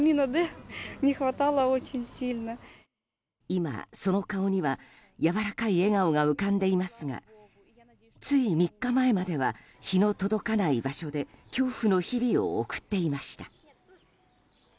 今、その顔には柔らかい笑顔が浮かんでいますがつい３日前までは日の届かない場所で恐怖の日々を送っていました。